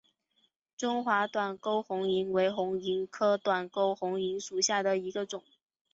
中华短沟红萤为红萤科短沟红萤属下的一个种。